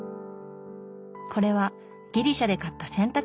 これはギリシャで買った洗濯ばさみだそう。